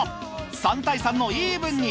３対３のイーブンに。